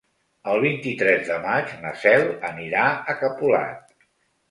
El vint-i-tres de maig na Cel anirà a Capolat.